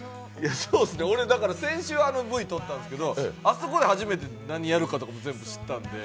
そうですね、俺、先週あのＶ、撮ったんですけどあそこで初めて何やるかとか全部知ったんで。